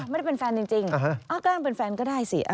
ไม่ได้เป็นแฟนจริงแกล้งเป็นแฟนก็ได้สิ